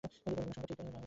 বিজ্ঞানসম্মতভাবে ঠিক, দাও।